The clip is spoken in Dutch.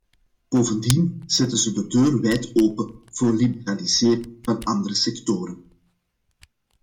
Bovendien zetten ze de deur wijd open voor liberalisering van andere sectoren.